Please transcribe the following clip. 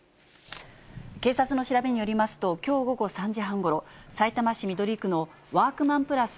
警察の調べによりますと、きょう午後３時半ごろ、さいたま市緑区のワークマンプラス